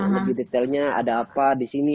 lebih detailnya ada apa disini